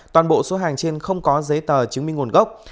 toàn bộ số hàng trên không có giấy tờ chứng minh nguồn gốc